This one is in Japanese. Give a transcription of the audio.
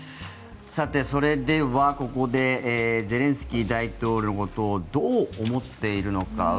それでは、ここでゼレンスキー大統領のことをどう思っているのか。